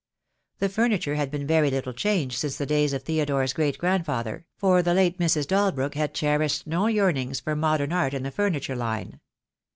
The furniture had been very little changed since the days of Theodore's great grandfather, for the late Mrs. Dalbrook had cherished no yearnings for modern art in the furniture line.